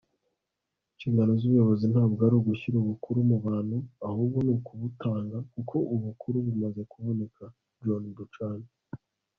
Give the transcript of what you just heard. inshingano z'ubuyobozi ntabwo ari ugushyira ubukuru mu bantu, ahubwo ni ukubutanga, kuko ubukuru bumaze kuboneka. - john buchan